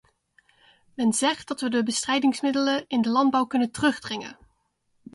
Men zegt dat we de bestrijdingsmiddelen in de landbouw kunnen terugdringen.